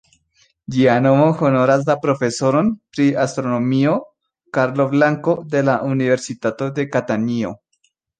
Ĝia nomo honoras la profesoron pri astronomio "Carlo Blanco", de la Universitato de Katanio.